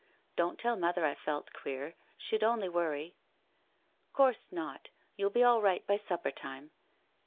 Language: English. Don't tell mother I felt queer— she'd only worry." " Coorse not, you'll be all right by supper time."